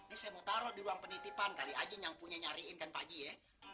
ini saya mau taruh di ruang penitipan kali ajin yang punya nyariin kan pagi ya